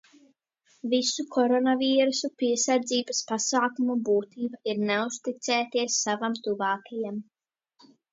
Visu koronavīrusa piesardzības pasākumu būtība ir neuzticēties savam tuvākajam.